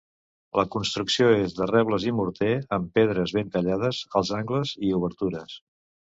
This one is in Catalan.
La construcció és de rebles i morter amb pedres ben tallades als angles i obertures.